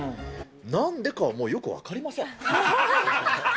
なんでかはもうよく分かりません。